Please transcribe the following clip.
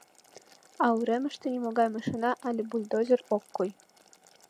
А уремыште нимогай машина але бульдозер ок кой.